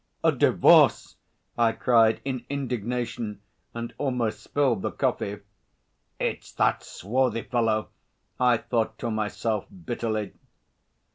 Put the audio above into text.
"A divorce!" I cried in indignation and almost spilled the coffee. "It's that swarthy fellow," I thought to myself bitterly.